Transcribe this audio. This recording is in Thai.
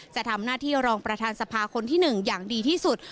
จะทำหน้าที่รองประธานสภาคนที่๑อย่างดีที่สุด